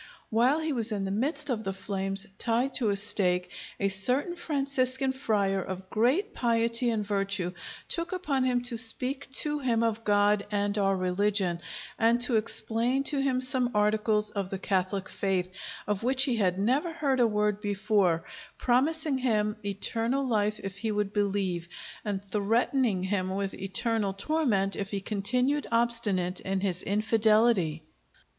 While he was in the midst of the flames, tied to a stake, a certain Franciscan friar of great piety and virtue took upon him to speak to him of God and our religion, and to explain to him some articles of the Catholic faith, of which he had never heard a word before; promising him eternal life if he would believe, and threatening him with eternal torment if he continued obstinate in his infidelity.